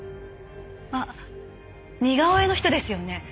あっ似顔絵の人ですよね。